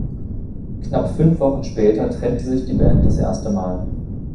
Knapp fünf Wochen später trennte sich die Band das erste Mal.